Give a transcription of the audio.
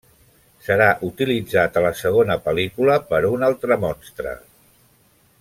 Serà utilitzat a la segona pel·lícula per a un altre monstre.